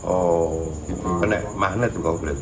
oh makna itu kok berarti